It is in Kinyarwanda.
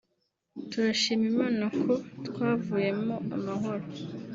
turashima Imana ko twavuyemo amahoro”